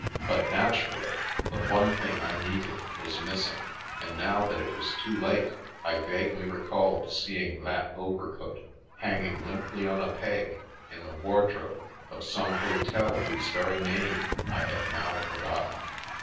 But, naturally, the one thing I needed was missing; and now that it was too late, I vaguely recalled see ing that overcoat hanging limply on a peg in the wardrobe of some hotel whose very name I had now forgotten.